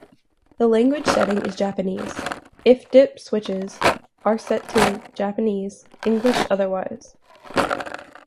The language setting is Japanese if dip switches are set to Japanese, English otherwise.